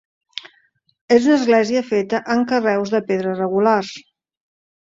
És una església feta amb carreus de pedra regulars.